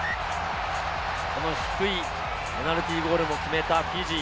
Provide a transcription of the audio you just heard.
この低いペナルティーゴールも決めたフィジー。